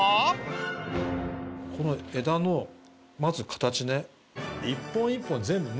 この枝のまず形ね。